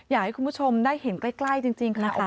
อยากให้คุณผู้ชมได้เห็นใกล้จริงค่ะ